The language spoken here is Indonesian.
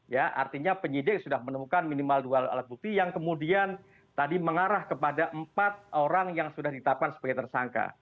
ya artinya penyidik sudah menemukan minimal dua alat bukti yang kemudian tadi mengarah kepada empat orang yang sudah ditetapkan sebagai tersangka